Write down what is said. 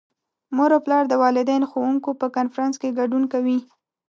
مور او پلار د والدین - ښوونکو په کنفرانس کې ګډون کوي.